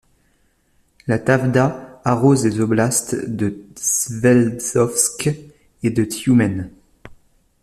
La Tavda arrose les oblasts de Sverdlovsk et de Tioumen.